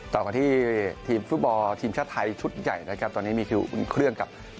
ต่อกันที่ทีมฟุตบอลทีมชาติไทยชุดใหญ่นะครับ